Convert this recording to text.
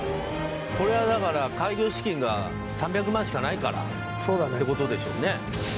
これはだから開業資金が３００万しかないからそうだねってことでしょうね